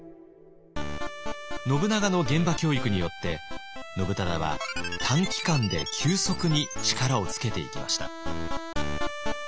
信長の現場教育によって信忠は短期間で急速に力をつけていきました。